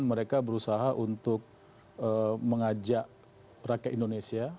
mereka berusaha untuk mengajak rakyat indonesia